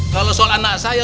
kalau soal anak saya